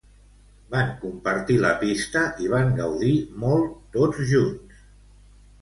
Van compartir la pista i van gaudir molt tots junts.